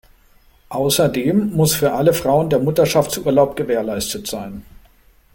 Außerdem muss für alle Frauen der Mutterschaftsurlaub gewährleistet sein.